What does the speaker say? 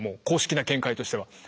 公式な見解としては。